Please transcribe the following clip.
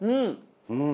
うん！